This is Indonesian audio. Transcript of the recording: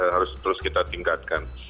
harus terus kita tingkatkan